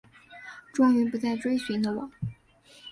终于不再追寻的我